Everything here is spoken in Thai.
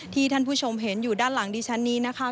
ท่านผู้ชมเห็นอยู่ด้านหลังดิฉันนี้นะคะ